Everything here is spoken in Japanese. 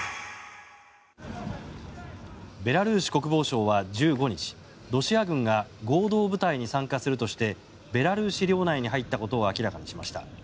ベラルーシ国防省は１５日ロシア軍が合同部隊に参加するとしてベラルーシ領内に入ったことを明らかにしました。